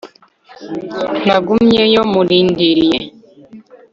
nagumyeyo murindiriye